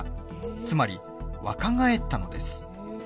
つまり、若返ったのです。